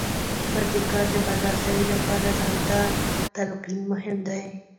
پر دې کار د برلاسۍ لپاره ځان ته تلقين مهم دی.